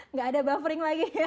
nggak ada buffering lagi